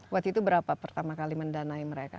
waktu itu berapa pertama kali mendanai mereka